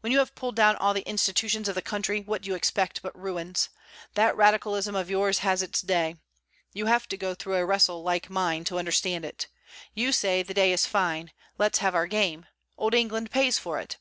When you have pulled down all the Institutions of the Country, what do you expect but ruins? That Radicalism of yours has its day. You have to go through a wrestle like mine to understand it. You say, the day is fine, let's have our game. Old England pays for it!